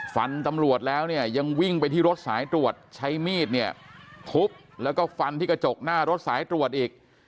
ตำรวจแล้วเนี่ยยังวิ่งไปที่รถสายตรวจใช้มีดเนี่ยทุบแล้วก็ฟันที่กระจกหน้ารถสายตรวจอีก